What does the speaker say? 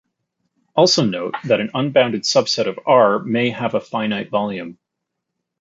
Also note that an unbounded subset of R may have a finite volume.